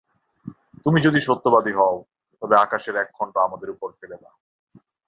তুমি যদি সত্যবাদী হও, তবে আকাশের এক খণ্ড আমাদের উপর ফেলে দাও।